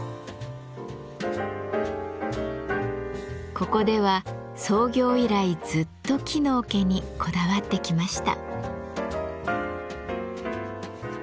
ここでは創業以来ずっと木の桶にこだわってきました。